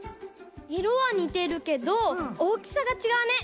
いろはにてるけどおおきさがちがうね。